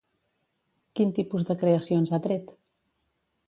Quin tipus de creacions ha tret?